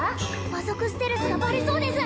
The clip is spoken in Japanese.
まぞくステルスがバレそうです